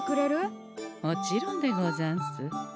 もちろんでござんす。